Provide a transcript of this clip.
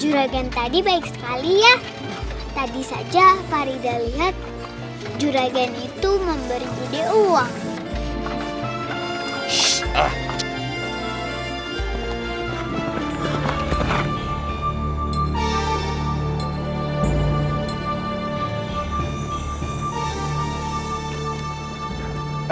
juragan tadi baik sekali ya